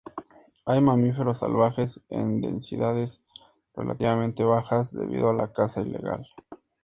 Hay mamíferos salvajes en densidades relativamente bajas debido a la caza ilegal.